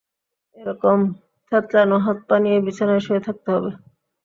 এ রকম থেঁতলানো হাত পা নিয়ে বিছানায় শুয়ে থাকতে হবে।